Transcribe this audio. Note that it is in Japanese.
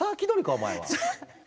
お前は。